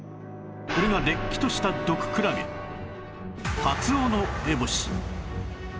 これがれっきとした毒クラゲカツオノエボシ